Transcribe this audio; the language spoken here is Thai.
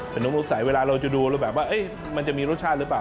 เป็นน้ำใสเวลาเราจะดูเราแบบว่ามันจะมีรสชาติหรือเปล่า